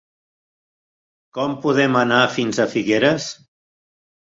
Com podem anar fins a Figueres?